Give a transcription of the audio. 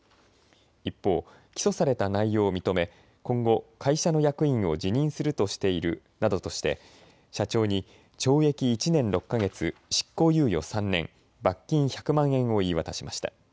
一方、起訴された内容を認め今後、会社の役員を辞任するとしているなどとして社長に懲役１年６か月、執行猶予３年、罰金１００万円を言い渡しました。